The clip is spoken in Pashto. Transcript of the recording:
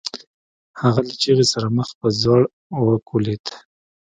هغه له چيغې سره مخ په ځوړ وکوليد.